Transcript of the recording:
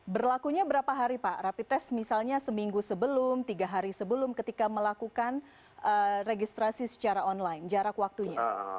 berlakunya berapa hari pak rapid test misalnya seminggu sebelum tiga hari sebelum ketika melakukan registrasi secara online jarak waktunya